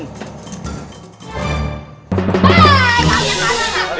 eh kalian apaan pak